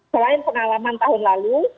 selain pengalaman tahun lalu